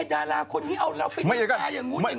จะลาคนที่เอาเราไปตีนทาอย่างงู้น